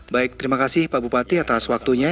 baik terima kasih pak bupati atas waktunya